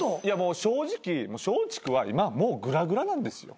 正直松竹は今もうグラグラなんですよ。